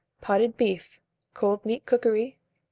POTTED BEEF (Cold Meat Cookery).